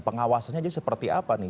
pengawasannya seperti apa nih